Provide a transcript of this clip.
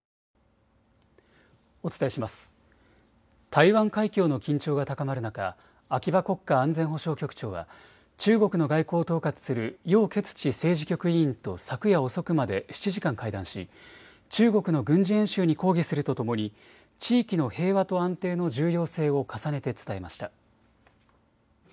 台湾海峡の緊張が高まる中、秋葉国家安全保障局長は中国の外交を統括する楊潔ち政治局委員と昨夜遅くまで７時間会談し中国の軍事演習に抗議するとともに地域の平和と安定の重要性を重ねて伝えました。